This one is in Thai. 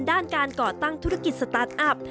ด้านการก่อตั้งธุรกิจสตาร์ทอัพ